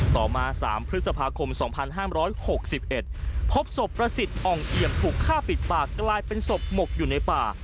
ต่อมา๓พฤษภาคม๒๕๖๑พบศพประสิทธิ์อ่องเอี่ยมถูกฆ่าปิดปากกลายเป็นศพหมกอยู่ในป่า